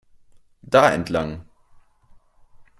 Da entlang!